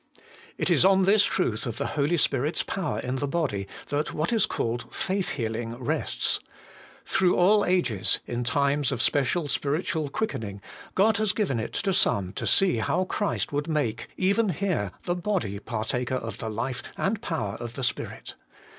6. It Is on this truth of the Holy Spirit's power in the body that what Is called Faith healing rests. Through all ages, In times of special spiritual quickening, God has given It to some to see how Christ would make, even here, the body partaker of the life and power of the Spirit.